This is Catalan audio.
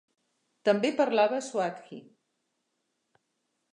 També parlava swathi.